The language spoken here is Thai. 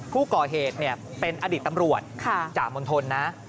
ผู้ก่อเหตุเป็นอดีตตำรวจจ่ามณฑลนะ